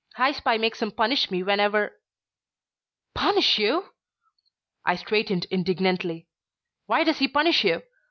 High Spy makes him punish me whenever " "Punish you!" I straightened indignantly. "Why does he punish you?